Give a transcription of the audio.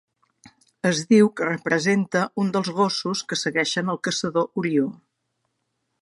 Es diu que representa un dels gossos que segueixen al caçador Orió.